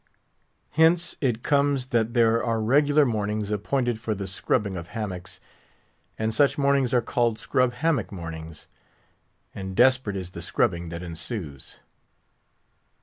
Hence it comes that there are regular mornings appointed for the scrubbing of hammocks; and such mornings are called scrub hammock mornings; and desperate is the scrubbing that ensues.